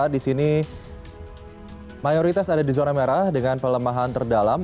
disini mayoritas ada di zona merah dengan pelemahan terdalam